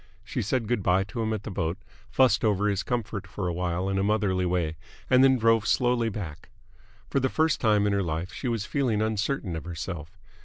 She said good bye to him at the boat, fussed over his comfort for awhile in a motherly way, and then drove slowly back. For the first time in her life she was feeling uncertain of herself.